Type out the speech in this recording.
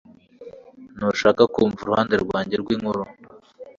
Ntushaka kumva uruhande rwanjye rw'inkuru